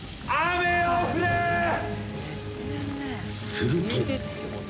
［すると］